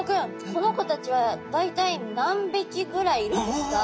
この子たちは大体何匹ぐらいいるんですか？